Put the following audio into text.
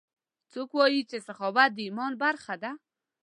څوک وایي چې سخاوت د ایمان برخه ده